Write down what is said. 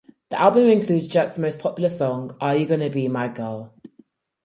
The album includes Jet's most popular song, "Are You Gonna Be My Girl".